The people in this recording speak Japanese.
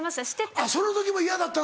あっその時も嫌だったの？